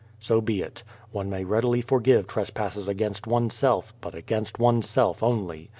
So be it. One may readily forgive trespasses against oneself, but against oneself only.